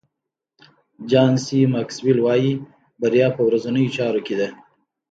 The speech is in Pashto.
جان سي ماکسویل وایي بریا په ورځنیو چارو کې ده.